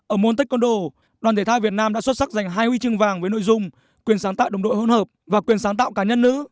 ở montech condo đoàn thể thao việt nam đã xuất sắc giành hai huy chương vàng với nội dung quyền sáng tạo đồng đội hôn hợp và quyền sáng tạo cá nhân nữ